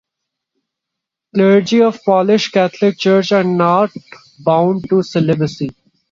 Clergy of the Polish Catholic Church are not bound to celibacy.